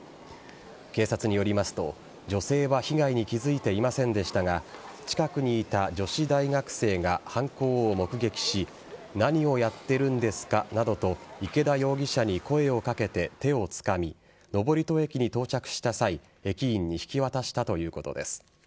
警察によりますと、女性は被害に気付いていませんでしたが近くにいた女子大学生が犯行を目撃し何をやっているんですかなどと池田容疑者に声を掛けて手をつかみ、登戸駅に到着した際駅員に引き渡したということです。